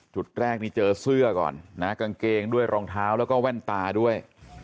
จุดแรกนี่เจอเสื้อก่อนนะกางเกงด้วยรองเท้าแล้วก็แว่นตาด้วย